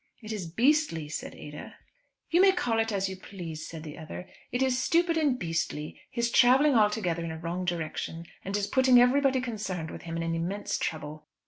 "It is beastly," said Ada. "You may call it as you please," said the other, "it is stupid and beastly. He is travelling altogether in a wrong direction, and is putting everybody concerned with him in immense trouble.